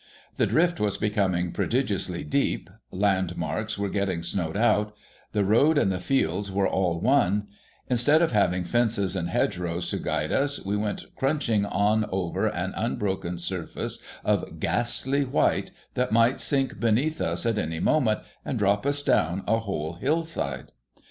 The drift was becoming prodigiously deep; landmarks w'ere getting snowed out ; the road and the fields were all one ; instead of having fences and hedge rows to guide us, we went crunching on over an unbroken surface of ghastly w hite that might sink beneath us at any moment and drop us down a whole hillside.